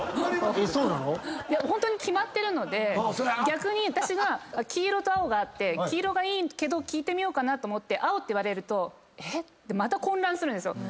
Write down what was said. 逆に私が黄色と青があって黄色がいいけど聞いてみようかなと思って青って言われるとえっ？って混乱するんですよ。